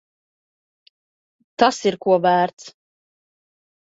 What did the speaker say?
Tas ir ko vērts.